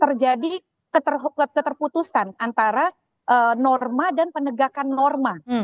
kenapa sih ya kita itu selalu terjadi keterputusan antara norma dan penegakan norma